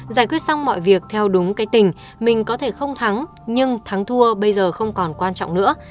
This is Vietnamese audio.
giải quyết xong mọi việc theo đúng cái tình mình có thể không thắng nhưng thắng thua bây giờ không còn quan trọng nữa